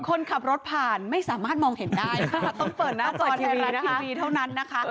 คนขับรถผ่านไม่สามารถมองเห็นได้ค่ะต้องเปิดหน้าจอไทยรัฐทีวีเท่านั้นนะคะ